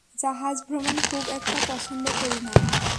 জাহাজভ্রমন খুব একটা পছন্দ করি না।